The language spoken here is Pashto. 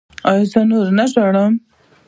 ایا زه به نور نه ژاړم؟